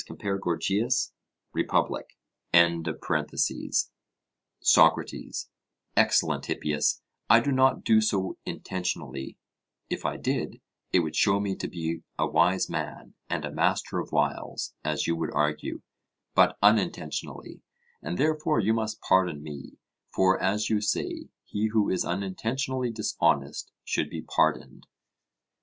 (Compare Gorgias; Republic.) SOCRATES: Excellent Hippias, I do not do so intentionally (if I did, it would show me to be a wise man and a master of wiles, as you would argue), but unintentionally, and therefore you must pardon me; for, as you say, he who is unintentionally dishonest should be pardoned.